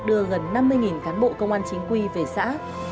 đưa gần năm mươi cán bộ công an chính quy về xã